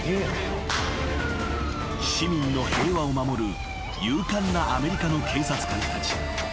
［市民の平和を守る勇敢なアメリカの警察官たち］